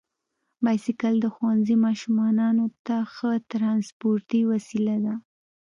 بایسکل د ښوونځي ماشومانو ته ښه ترانسپورتي وسیله ده.